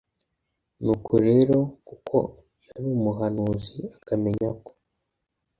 nuko rero kuko yari umuhanuzi akamenya ko